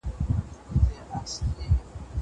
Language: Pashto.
زه له سهاره کتابونه ليکم..